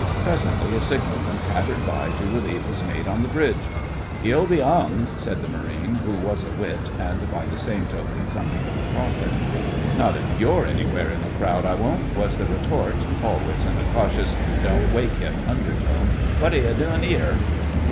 Presently a signalman pattered by to relieve his mate on the bridge. 'You'll be 'ung,' said the Marine, who was a wit, and by the same token something of a prophet. 'Not if you're anywhere in the crowd I won't,' was the retort, always in a cautious, 'don't wake him' undertone. 'Wot are you doin' 'ere?